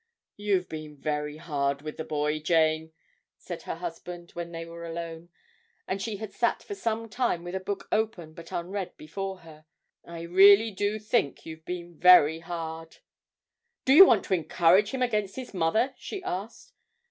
'You've been very hard with the boy, Jane,' said her husband, when they were alone, and she had sat for some time with a book open but unread before her; 'I really do think you've been very hard.' 'Do you want to encourage him against his mother?' she asked.